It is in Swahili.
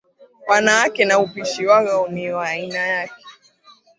Wanawake na upishi wao ni wa aina yake